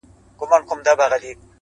چي تېغ چلېږي، وينه بهېږي.